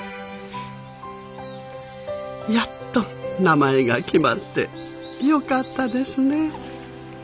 やっと名前が決まってよかったですね。